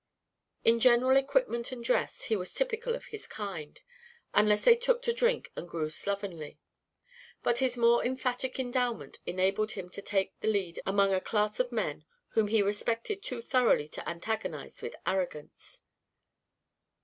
In general equipment and dress he was typical of his kind, unless they took to drink and grew slovenly; but his more emphatic endowment enabled him to take the lead among a class of men whom he respected too thoroughly to antagonise with arrogance.